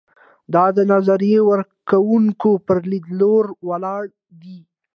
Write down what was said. دا د نظریه ورکوونکو پر لیدلورو ولاړ دی.